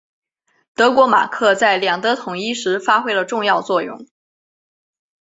德国马克在两德统一时发挥了重要作用。